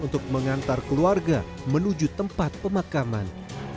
untuk mengantar keluarga menuju tempat pemakaman